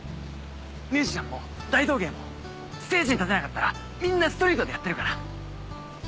ミュージシャンも大道芸もステージに立てなかったらみんなストリートでやってるから。